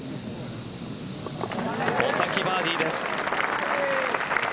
お先バーディーです。